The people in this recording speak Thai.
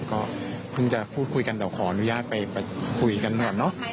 ก็พึ่งจะพูดคุยกันแต่ขออนุญาตไปคุยกันหน่อยเนาะ